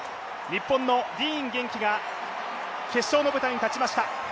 日本のディーン元気が決勝の舞台に立ちました。